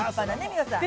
皆さん。